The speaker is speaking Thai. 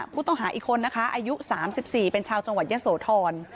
ผู้ต้องหาอีกคนนะคะอายุ๓๔เป็นชาวจังหวัดยะโสธร